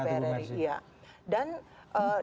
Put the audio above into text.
banyak amangat bu masih